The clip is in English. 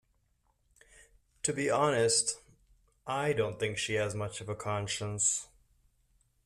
To be honest, I don’t think she has much of a conscience.